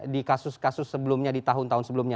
di kasus kasus sebelumnya di tahun tahun sebelumnya